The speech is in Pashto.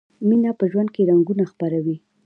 مینه په ژوند کې رنګونه خپروي.